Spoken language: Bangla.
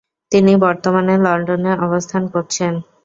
তিনি বর্তমানে লন্ডনে অবস্থান করছেন।